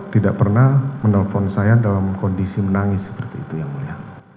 tidak pernah menelpon saya dalam kondisi menangis seperti itu yang mulia